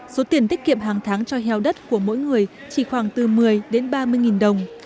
số tiền tiết kiệm hàng tháng cho heo đất của mỗi người chỉ khoảng từ một mươi đến ba mươi nghìn đồng